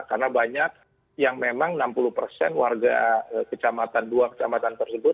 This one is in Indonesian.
karena banyak yang memang enam puluh warga kecamatan dua kecamatan tersebut